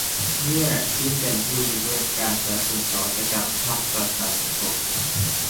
นี่แหละที่เป็นผู้ริเริ่มการประชุมนวัตกรรมภาคประชาสังคม